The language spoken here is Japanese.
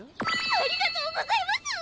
ありがとうございます！